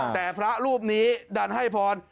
แต่พระรูปนี้ดันให้พร